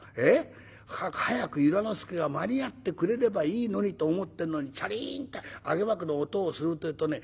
『早く早く由良之助が間に合ってくれればいいのに』と思ってんのにチャリンって揚幕の音をするってえとね